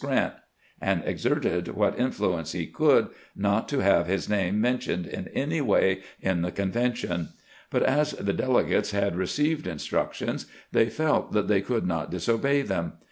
Grant," and exerted what influence he could not to have his name mentioned in any way in the con vention ; but as the delegates had received instructions, they felt that they could not disobey them.